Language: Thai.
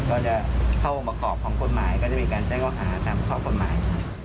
ก็จะเข้าองค์ประกอบของกฎหมายก็จะมีการแจ้งข้อหาตามข้อกฎหมายครับ